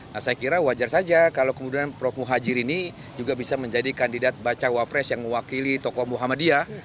nah saya kira wajar saja kalau kemudian prof muhajir ini juga bisa menjadi kandidat bacawa pres yang mewakili tokoh muhammadiyah